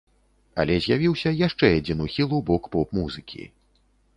Але з'явіўся яшчэ адзін ухіл у бок поп-музыкі.